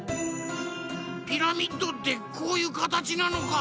ピラミッドってこういうかたちなのか。